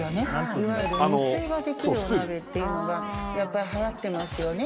いわゆる無水ができるお鍋っていうのがはやってますよね。